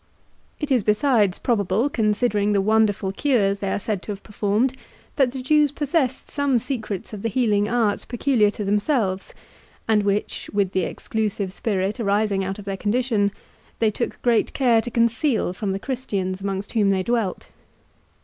It is besides probable, considering the wonderful cures they are said to have performed, that the Jews possessed some secrets of the healing art peculiar to themselves, and which, with the exclusive spirit arising out of their condition, they took great care to conceal from the Christians amongst whom they dwelt.